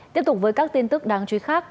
tiếp tục với các tin tức đáng chú ý khác